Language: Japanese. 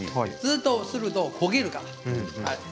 ずっとすると焦げるから。